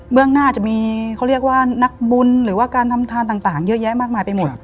เรื่องหน้าจะมีเขาเรียกว่านักบุญหรือว่าการทำทานต่างเยอะแยะมากมายไปหมด